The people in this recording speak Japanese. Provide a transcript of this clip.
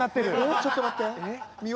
ちょっと待って。